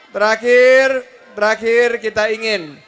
terakhir terakhir kita ingin